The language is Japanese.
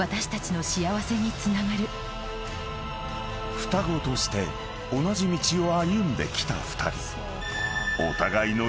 ［双子として同じ道を歩んできた２人］